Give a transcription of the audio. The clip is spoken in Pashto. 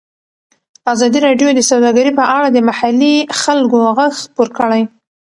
ازادي راډیو د سوداګري په اړه د محلي خلکو غږ خپور کړی.